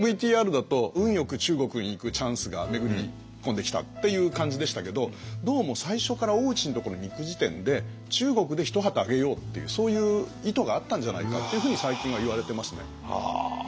ＶＴＲだと運よく中国に行くチャンスが巡り込んできたっていう感じでしたけどどうも最初から大内のところに行く時点で中国で一旗揚げようっていうそういう意図があったんじゃないかっていうふうに最近は言われてますね。